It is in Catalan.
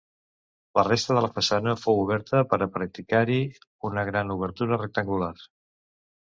La resta de la façana fou oberta per a practicar-hi una gran obertura rectangular.